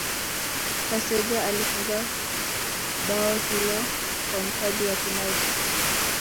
Kaseja alifunga bao hilo kwa mkwaju wa penalti